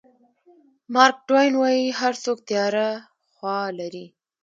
مارک ټواین وایي هر څوک تیاره خوا لري.